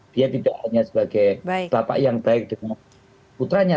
dia tidak hanya sebagai bapak yang baik dengan putranya